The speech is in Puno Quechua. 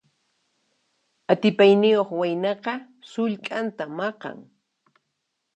Atipayniyuq waynaqa sullk'anta maqan.